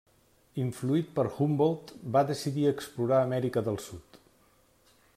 Influït per Humboldt va decidir explorar Amèrica del Sud.